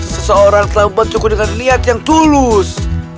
seseorang telah membuat cukup dengan niat yang tulus